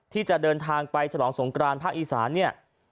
ที่จะเดินทางไปฉลองสงกรานภาคอีสานเนี่ย